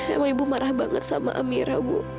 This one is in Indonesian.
emang ibu marah banget sama amira bu